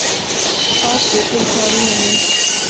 پاک دي ټول کارونه مې